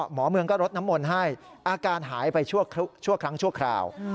หมอเมืองก็รดน้ำมนต์ให้อาการหายไปชั่วครั้งชั่วคราว